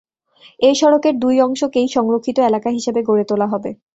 এই সড়কের দুই অংশকেই সংরক্ষিত এলাকা হিসেবে গড়ে তোলা হবে।